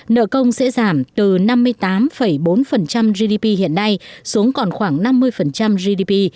nợ công sẽ giảm từ năm mươi tám bốn gdp hiện nay xuống còn khoảng năm mươi gdp